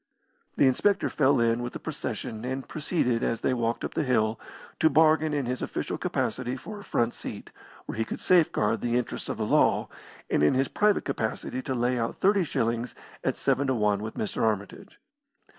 The inspector fell in with the procession, and proceeded, as they walked up the hill, to bargain in his official capacity for a front seat, where he could safeguard the interests of the law, and in his private capacity to lay out thirty shillings at seven to one with Mr. Armitage.